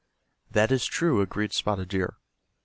"That is true," agreed Spotted Deer.